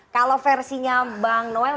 kalau versinya bang noel